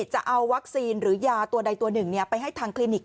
จะเอาวัคซีนหรือยาตัวใดตัวหนึ่งไปให้ทางคลินิก